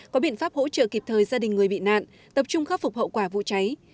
có biện pháp hỗ trợ kịp thời gia đình người bị nạn tập trung khắc phục hậu quả vụ cháy